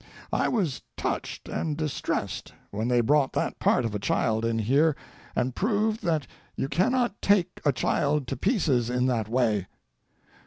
I was touched and distressed when they brought that part of a child in here, and proved that you cannot take a child to pieces in that way.